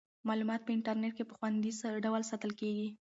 معلومات په انټرنیټ کې په خوندي ډول ساتل کیږي.